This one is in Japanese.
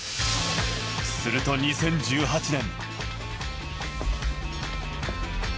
すると２０１８年。